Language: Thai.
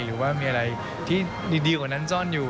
หรือว่ามีอะไรที่ดีกว่านั้นซ่อนอยู่